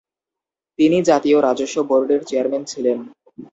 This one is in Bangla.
তিনি জাতীয় রাজস্ব বোর্ডের চেয়ারম্যান ছিলেন।